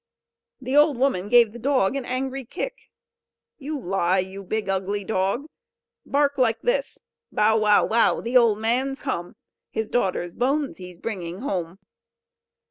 The old woman gave the dog an angry kick. "You lie, you big ugly dog! Bark like this! 'Bow! wow! wow! the old man's come! His daughter's bones he's bringing home!'"